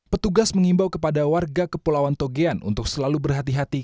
petugas mengimbau kepada warga kepulauan togean untuk selalu berhati hati